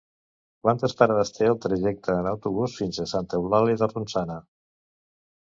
Quantes parades té el trajecte en autobús fins a Santa Eulàlia de Ronçana?